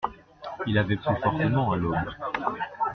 Il avait plu fortement à l'aube.